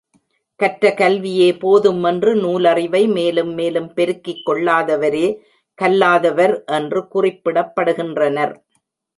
கற்ற கல்வியே போதும் என்று நூலறிவை மேலும் மேலும் பெருக்கிக் கொள்ளாதவரே கல்லாதவர் என்று குறிப்பிடப்படுகின்றனர்.